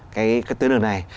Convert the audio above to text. cái tế lường này